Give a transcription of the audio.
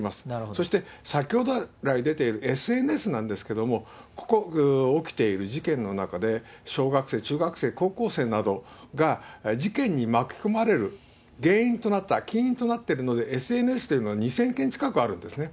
そして先ほど来出ているＳＮＳなんですけども、ここ、起きている事件の中で小学生、中学生、高校生などが事件に巻き込まれる原因となった、起因となっているＳＮＳというのは２０００件近くあるんですね。